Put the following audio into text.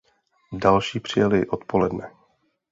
Další přijeli odpoledne.